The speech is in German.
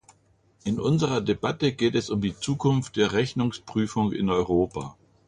In unserer Debatte geht es um die Zukunft der Rechnungsprüfung in Europa.